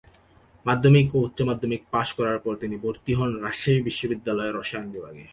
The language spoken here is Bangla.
মাধ্যমিক ও উচ্চ মাধ্যমিক পাশ করার পর তিনি ভর্তি হন রাজশাহী বিশ্ববিদ্যালয়ের রসায়ন বিভাগে।